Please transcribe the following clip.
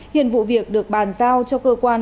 hiền vụ việc được bàn giao cho cơ quan